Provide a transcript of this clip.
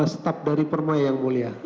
staf dari permai yang mulia